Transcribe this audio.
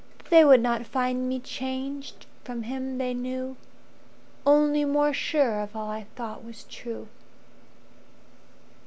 They would not find me changed from him they knew Only more sure of all I thought was true.